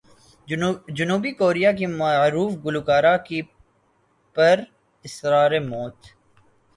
جنوبی کوریا کی معروف گلوکارہ کی پر اسرار موت